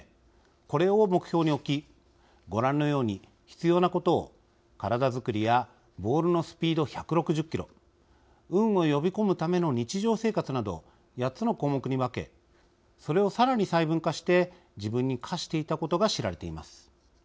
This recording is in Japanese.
これを目標に置きご覧のように、必要なことを体作りやボールのスピード１６０キロ運を呼び込むための日常生活など８つの項目に分けそれを、さらに細分化して自分に課していたことが知られています。